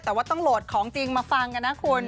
แต่ว่าต้องโหลดของจริงมาฟังกันนะคุณ